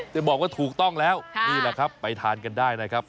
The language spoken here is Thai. จะบอกว่าถูกต้องแล้วนี่แหละครับไปทานกันได้นะครับ